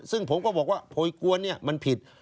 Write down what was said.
ซึ่งผมก็บอกว่าโพยกวนเนี่ยมันผิด